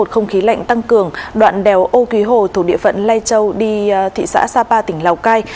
không khí lạnh tăng cường đoạn đèo ô quý hồ thuộc địa phận lai châu đi thị xã sa pa tỉnh lào cai